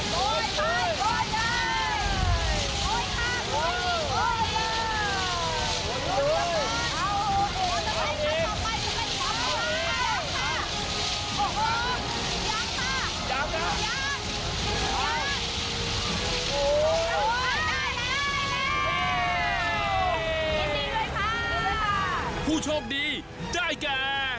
มาโก้จันเลยค่ะ